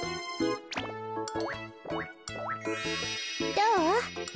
どう？